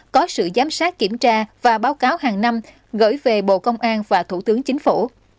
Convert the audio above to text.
có sự giám sát kiểm tra và báo cáo hàng năm gửi về bộ công an và thủ tướng chính phủ